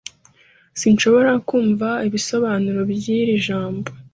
Sinshobora kumva ibisobanuro by'iri jambo.